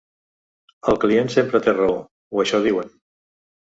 El client sempre té raó, o això diuen.